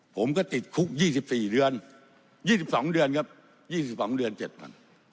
ผมก็ติดคุก๒๔เดือน๒๒เดือนครับ๒๒เดือน๗วัน